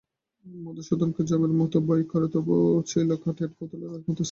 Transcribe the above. মধুসূদনকে যমের মতো ভয় করে, তবু ছিল কাঠের পুতুলের মতো স্তব্ধ হয়ে।